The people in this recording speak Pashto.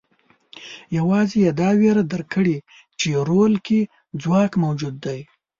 یوازې یې دا وېره درک کړې چې رول کې ځواک موجود دی.